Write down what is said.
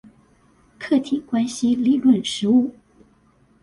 客體關係理論實務